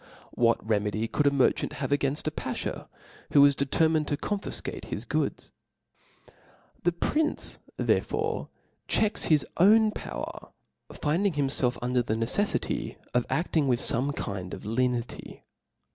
What re medy could a merchant have againfl a bafhaw, who was determined 'to confifcate his goods ? The prince therefore checks his own power, finding himfelf under a neceflity of ^Aing widi fome kind of lenity.